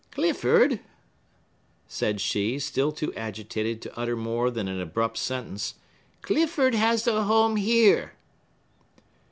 "Clifford," said she,—still too agitated to utter more than an abrupt sentence,—"Clifford has a home here!"